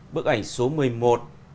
bức ảnh số một mươi một